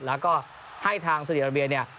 แล้วก็ให้ทางสุดีรับเบียนเนี่ย